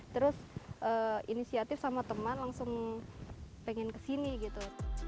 terus inisiatif sama teman langsung pengen kesini gitu